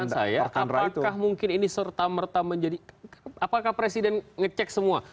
pertanyaan saya apakah mungkin ini serta merta menjadi apakah presiden ngecek semua